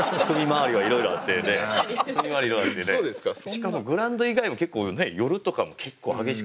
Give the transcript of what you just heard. しかもグラウンド以外も結構ね夜とかも結構激しくてね強気で。